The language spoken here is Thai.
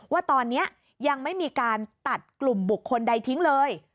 ว่าตอนนี้ยังไม่มีการตัดกลุ่มบุคคลใดทิ้งเลย